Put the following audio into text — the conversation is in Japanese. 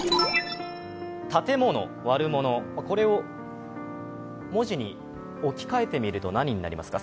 建物、悪者、これを文字に置き換えてみると何になりますか。